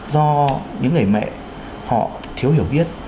do những người mẹ họ thiếu hiểu biết